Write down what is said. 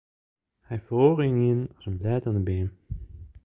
Hy feroare ynienen as in blêd oan 'e beam.